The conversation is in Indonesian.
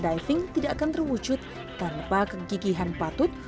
diving tidak akan terwujud tanpa kegigihan patut